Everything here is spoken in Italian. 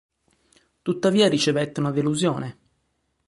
Tuttavia ricevette una delusione.